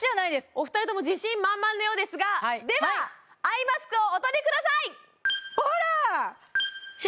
お二人とも自信満々のようですがではアイマスクをお取りくださいほら！